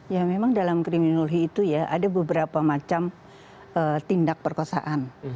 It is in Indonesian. ya memang dalam kriminologi itu ya ada beberapa macam tindak perkosaan